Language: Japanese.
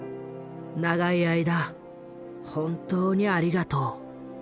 長い間本当にありがとう。